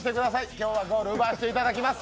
今日はゴール奪わせていただきます。